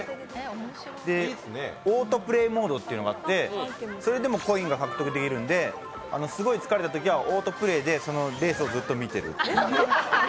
オートプレイモードっていうのがあってそれでもコインが獲得できるんで、すごい疲れたときはオートプレイでレースをずっと見ている。